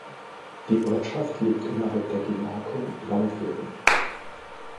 Die Ortschaft liegt innerhalb der Gemarkung Landwürden.